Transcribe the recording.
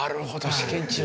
試験中は。